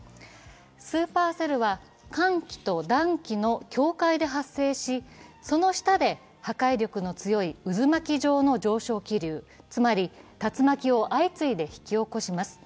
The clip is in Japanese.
スーパーセルは、寒気と暖気の境界で発生し、その下で破壊力の強い渦巻き状の上昇気流、つまり竜巻を相次いで引き起こします。